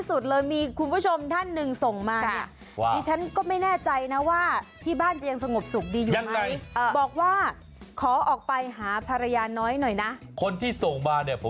ส่งไลน์มาคุยกับเราหน่อยจ้า